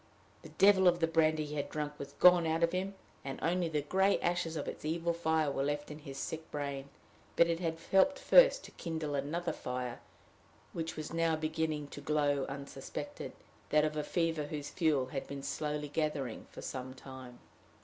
The devil of the brandy he had drunk was gone out of him, and only the gray ashes of its evil fire were left in his sick brain, but it had helped first to kindle another fire, which was now beginning to glow unsuspected that of a fever whose fuel had been slowly gathering for some time.